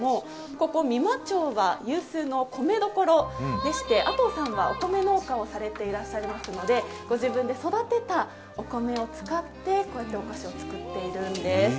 ここ、三間町は有数の米どころでして、阿藤さんはお米農家をされていらっしゃいますのでご自分で育てたお米を使ってこうやってお菓子を作っているんです。